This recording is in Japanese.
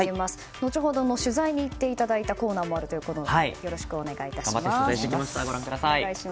後ほどの取材に行っていただいたコーナーもあるということでよろしくお願いいたします。